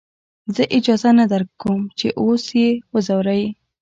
زه اجازه نه درکم چې اوس يې وځورې.